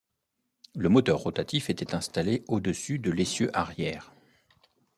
Le moteur rotatif était installé au-dessus de l'essieu arrière.